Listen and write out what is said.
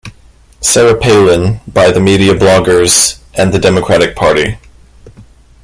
Sarah Palin by the media, bloggers, and the Democratic Party.